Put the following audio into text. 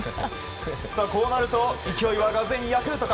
こうなると勢いはが然、ヤクルトか。